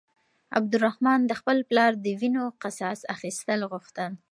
عبدالرحمن د خپل پلار د وينو قصاص اخيستل غوښتل.